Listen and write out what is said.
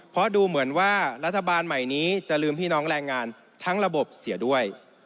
เพราะดูเหมือนว่ารัฐบาลใหม่นี้จะลืมพี่น้องแรงงานทั้งระบบเสียด้วย